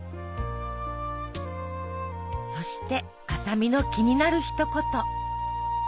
そして麻美の気になるひと言。